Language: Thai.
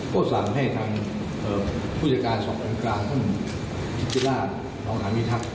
โฆษันให้ท่านผู้จัดการสอบอันการท่านพิธีราชน้องฐานวิทักษ์